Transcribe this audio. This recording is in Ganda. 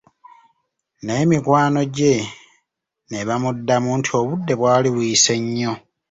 Naye mikwano gye ne bamuddamu nti obudde bwali buyise nnyo.